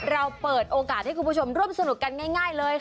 เราเปิดโอกาสให้คุณผู้ชมร่วมสนุกกันง่ายเลยค่ะ